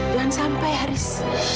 jangan sampai haris